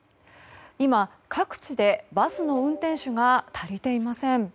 今、各地でバスの運転手が足りていません。